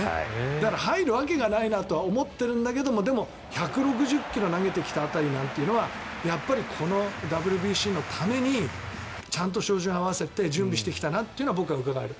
だから入るわけがないなとは思ってるんだけどでも、１６０ｋｍ投げてきた辺りなんていうのはやっぱり、このＷＢＣのためにちゃんと照準を合わせて準備してきたなというのは僕はうかがえる。